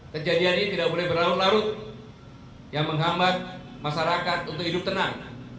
kejadian ini tidak boleh berlarut larut yang menghambat masyarakat untuk hidup tenang